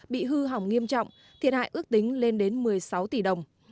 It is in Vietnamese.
bị hư hỏng nghiêm trọng thiệt hại ước tính lên đến một mươi sáu tỷ đồng